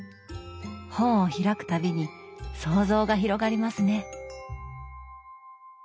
本を開くたびに想像が広がりますね。